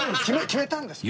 決めたんですね。